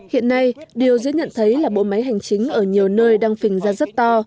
hiện nay điều dễ nhận thấy là bộ máy hành chính ở nhiều nơi đang phình ra rất to